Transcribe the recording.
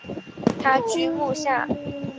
他居墓下。